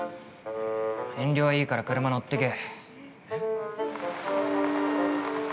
遠慮はいいから、車乗ってけ。